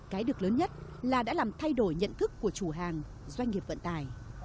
cái được lớn nhất là đã làm thay đổi nhận thức của chủ hàng doanh nghiệp vận tải